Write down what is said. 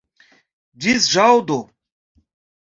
Ĝis ĵaŭdo!